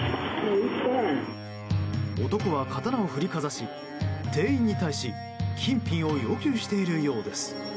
男は刀を振りかざし店員に対し金品を要求しているようです。